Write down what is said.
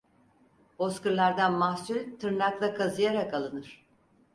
Bozkırlardan mahsul tırnakla kazıyarak alınır.